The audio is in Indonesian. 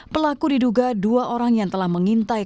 pelaku diduga dua orang yang telah mengintai